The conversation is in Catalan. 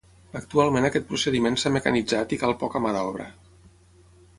Actualment aquest procediment s'ha mecanitzat i cal poca mà d'obra.